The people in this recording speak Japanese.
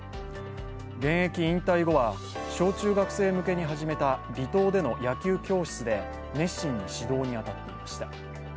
現役引退後ちは小中学生向けに始めた離島での野球教室で熱心に指導に当たっていました。